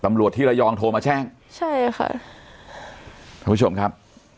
ตำรวจที่ระยองโทรมาแจ้งใช่ค่ะท่านผู้ชมครับ